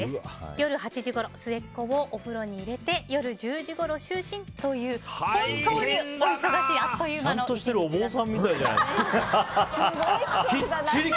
夜８時ごろ末っ子をお風呂に入れて夜１０時ごろ就寝という本当にお忙しいちゃんとしてるお坊さんみたいじゃないですか。